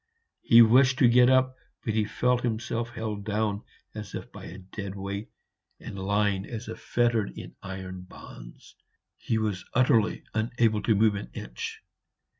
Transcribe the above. He wished to get up, but felt himself held down as if by a dead weight, and lying as if fettered in iron bonds; he was utterly unable to move an inch.